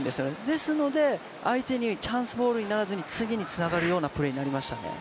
ですので相手にチャンスボールにならずに次につながるようなプレーになりましたね。